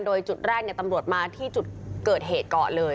โดยจุดแรกตำรวจมาที่จุดเกิดเหตุก่อนเลย